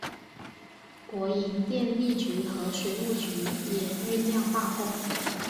国营电力局和水务局也酝酿罢工。